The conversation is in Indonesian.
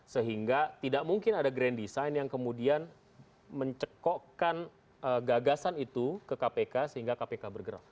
sehingga tidak mungkin ada grand design yang kemudian mencekokkan gagasan itu ke kpk sehingga kpk bergerak